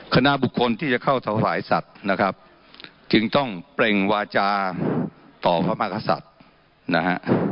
คณะบุคคลที่จะเข้าถวายสัตว์นะครับจึงต้องเปล่งวาจาต่อพระมากษัตริย์นะฮะ